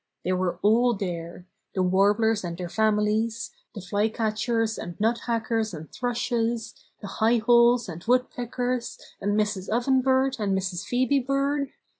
They were all there — the warblers and their families, the flycatchers and nuthachers and thrushes, the high holes and woodpeckers and Mrs. Oven Bird and Mrs. Phoebe Bird.